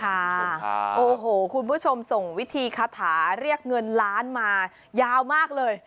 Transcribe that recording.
โอ้โหคุณผู้ชมส่งวิธีคาถาเรียกเงินล้านมายาวมากเลย